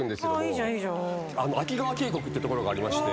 秋川渓谷って所がありまして。